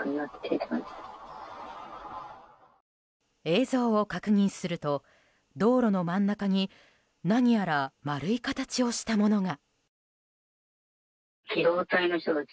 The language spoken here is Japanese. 映像を確認すると道路の真ん中に何やら丸い形をしたものが。